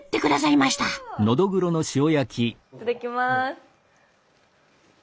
いただきます。